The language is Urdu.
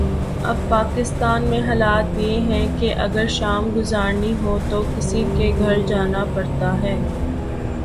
اب پاکستان میں حالت یہ ہے کہ شام گزارنی ہو تو کسی کے گھر جانا پڑتا ہے۔